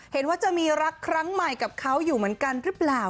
เห็นว่าจะมีรักครั้งใหม่กับเขาอยู่เหมือนกันหรือเปล่า